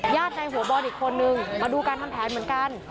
ในหัวบอลอีกคนนึงมาดูการทำแผนเหมือนกัน